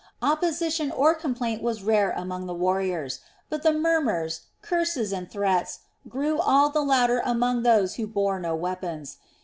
Opposition or complaint was rare among the warriors, but the murmurs, curses, and threats grew all the louder among those who bore no weapons.